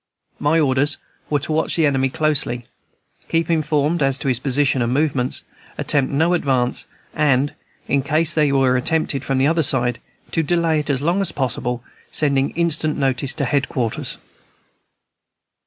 My orders were to watch the enemy closely, keep informed as to his position and movements, attempt no advance, and, in case any were attempted from the other side, to delay it as long as possible, sending instant notice to head quarters.